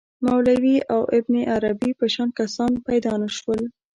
مولوی او ابن عربي په شان کسان پیدا نه شول.